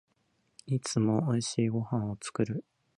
いつも美味しいご飯を作る